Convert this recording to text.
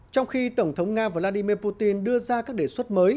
trong khi tổng thống nga vladimir putin đưa ra các đề xuất mới